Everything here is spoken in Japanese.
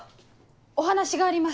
お話があります。